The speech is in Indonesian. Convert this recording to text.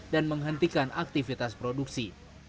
dan menghentikan aktivitas produksi